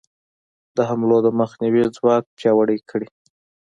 د حملو د مخنیوي ځواک پیاوړی کړي.